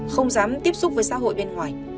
không dám tiếp xúc với xã hội bên ngoài